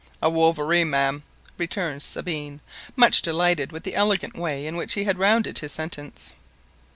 "A wolverene, ma'am," returned Sabine, much delighted with the elegant way in which he had rounded his sentence.